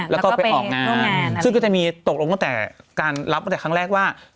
ร่างงานซึ่งก็จะมีตกลงตั้งแต่การรับตั้งแต่ครั้งแรกว่า